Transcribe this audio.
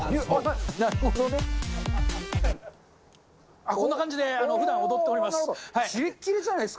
あっ、こんな感じで、ふだん踊っております。